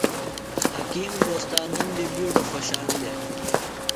حکیم دوستانوم دی بِیڈوۡ خوۡشان دےۡ۔